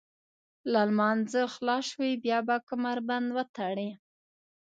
له لمانځه خلاص شوئ بیا به کمربند وتړئ.